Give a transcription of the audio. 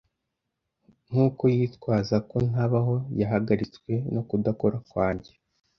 nkuko yitwaza ko ntabaho, yahagaritswe no kudakora kwanjye